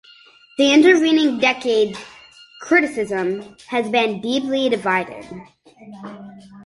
In the intervening decades, criticism has been deeply divided.